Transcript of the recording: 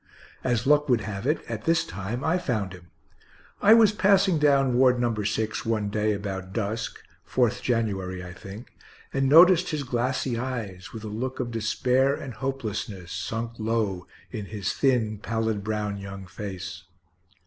As luck would have it, at this time I found him. I was passing down Ward No. 6 one day about dusk (4th January, I think), and noticed his glassy eyes, with a look of despair and hopelessness, sunk low in his thin, pallid brown young face.